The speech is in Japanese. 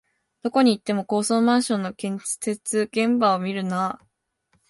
どこ行っても高層マンションの建設現場を見るなあ